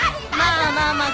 まあまあまあ。